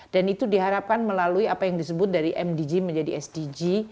dan itu diharapkan melalui apa yang disebut dari mdg menjadi sdg